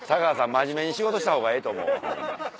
真面目に仕事した方がええと思うわホンマ。